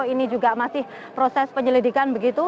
ini juga masih proses penyelidikan begitu